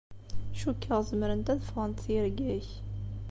Cukkeɣ zemrent ad ffɣent tirga-k.